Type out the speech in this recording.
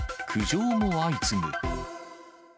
苦情も相次ぐ。